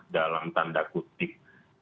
dalam tanda kutip